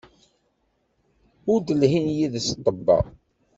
Ur d-lhin yid-s ṭṭebba.